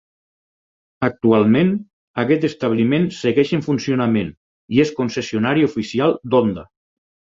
Actualment, aquest establiment segueix en funcionament i és concessionari oficial d'Honda.